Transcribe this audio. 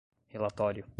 relatório